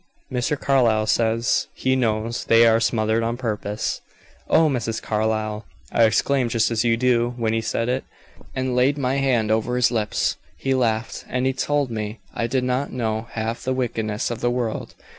Mr. Carlyle says he knows they are smothered on purpose." "Oh, Mrs. Carlyle!" "I exclaimed, just as you do, when he said it, and laid my hand over his lips. He laughed, and told me I did not know half the wickedness of the world.